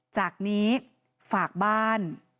จากนี้ฝากบ้าน